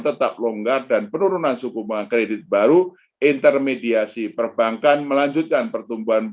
tetap longgar dan penurunan suku bunga kredit baru intermediasi perbankan melanjutkan pertumbuhan